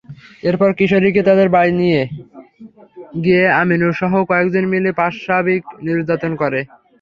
এরপর কিশোরীকে তাঁদের বাড়ি নিয়ে গিয়ে আমিনুরসহ কয়েকজন মিলে পাশবিক নির্যাতন করেন।